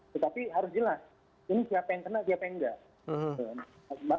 tetapi harus jelas ini siapa yang kena siapa yang enggak